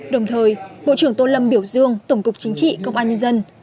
đồng thời bộ trưởng tô lâm biểu dương tổng cục chính trị công an nhân dân